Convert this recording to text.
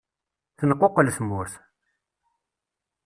Tenquqel tmurt.